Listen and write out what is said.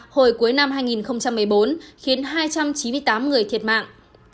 hồi cuối năm hai nghìn một mươi bốn khiến hai trăm chín mươi tám người thiệt mạng